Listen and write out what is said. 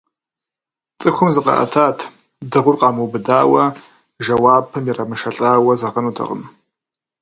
Цӏыхум зыкъаӏэтат, дыгъур къамыубыдауэ, жэуапым ирамышэлӀауэ зэгъэнутэкъым.